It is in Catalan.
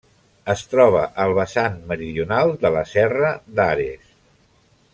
Es troba al vessant meridional de la serra d'Ares.